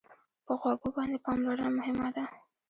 په غوږو باندې پاملرنه مهمه ده.